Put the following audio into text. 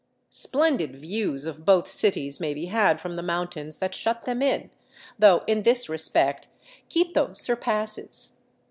Splendid views of both cities may be had from the mountains that shut them in, though in this respect Quito surpasses.